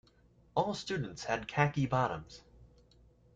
All students had khaki bottoms.